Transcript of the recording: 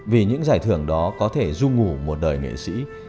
vì những giải thưởng đó có thể du ngủ một đời nghệ sĩ